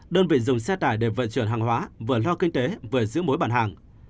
đơn vị dùng xe tải để vận chuyển hàng hóa vừa lo kinh tế vừa giữ mối bản hàng